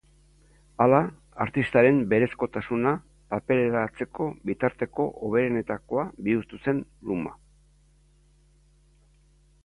Hala, artistaren berezkotasuna papereratzeko bitarteko hoberenetakoa bihurtu zen luma.